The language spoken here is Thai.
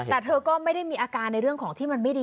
แต่เธอก็ไม่ได้มีอาการในเรื่องของที่มันไม่ดี